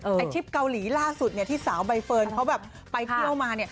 ไอทริปเกาหลีล่าสุดที่สาวใบเฟิร์นเขาแบบไปเที่ยวมา